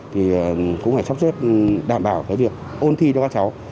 thì cũng phải sắp xếp đảm bảo cái việc ôn thi cho các cháu